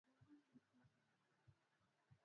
Ujumbe wa Umoja wa Mataifa nchini Libya ulielezea